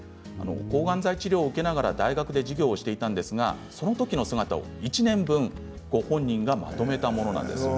抗がん剤治療を受けながら大学で授業をしていたんですがその時の姿を１年分ご本人がまとめたものなんです。